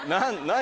何？